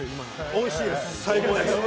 おいしいです、最高です。